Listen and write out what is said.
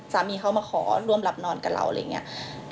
สามีเขามาขอร่วมหลับนอนกับเราอะไรอย่างนี้